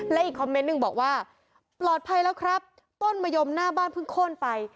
และอีกคอมเมนต์หนึ่งบอกว่าปลอดภัยแล้วครับต้นมะยมหน้าบ้านเพิ่งโค้นไป